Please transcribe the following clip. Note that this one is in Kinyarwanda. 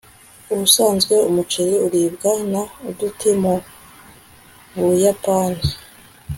ubusanzwe umuceri uribwa na uduti mu buyapani